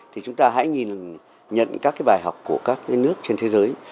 thì chúng ta hãy nhìn nhận các cái bài học của các nước trên thế giới